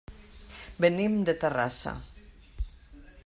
Venim de Terrassa.